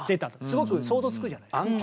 すごく想像つくじゃないですか。